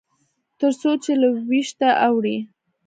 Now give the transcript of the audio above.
تر څو چې له لوېشته اوړي.